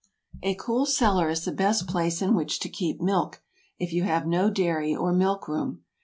A cool cellar is the best place in which to keep milk, if you have no dairy or milk room.